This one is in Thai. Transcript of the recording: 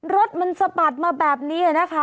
รถมันสะบัดมาแบบนี้นะคะ